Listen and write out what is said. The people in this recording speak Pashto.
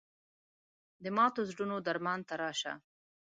د ماتو زړونو درمان ته راشه